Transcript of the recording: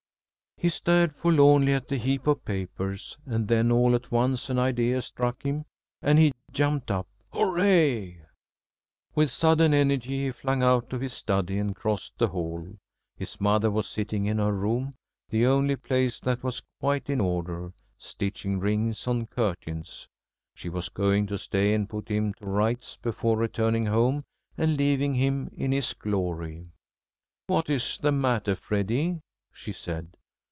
He stared forlornly at the heap of papers, and then all at once an idea struck him and he jumped up. "Hurrah!" With sudden energy he flung out of his study and crossed the hall. His mother was sitting in her room the only place that was quite in order stitching rings on curtains. She was going to stay and put him to rights before returning home and leaving him in his glory. "What is the matter, Freddy?" she said.